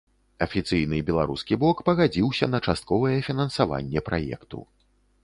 Афіцыйны беларускі бок пагадзіўся на частковае фінансаванне праекту.